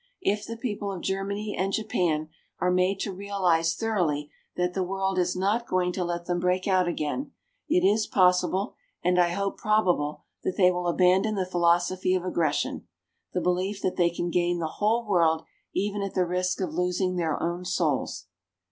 If the people of Germany and Japan are made to realize thoroughly that the world is not going to let them break out again, it is possible, and, I hope, probable, that they will abandon the philosophy of aggression the belief that they can gain the whole world even at the risk of losing their own souls.